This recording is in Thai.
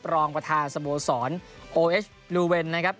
รองประธานสโมสรโอเอชลูเวนนะครับ